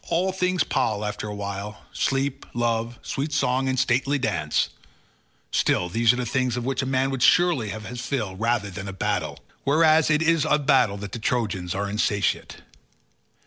All things pall after a while—sleep, love, sweet song, and stately dance—still these are things of which a man would surely have his fill rather than of battle, whereas it is of battle that the Trojans are insatiate."